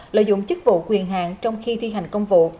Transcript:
lợi dụng chức vụ quyền hạn trong khi thi hành công vụ